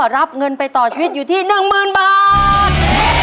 รับเงินไปต่อชีวิตอยู่ที่๑๐๐๐บาท